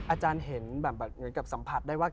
อาจารย์เห็นแบบเหมือนกับสัมผัสได้ว่า